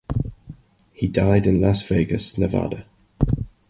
He died in Las Vegas, Nevada.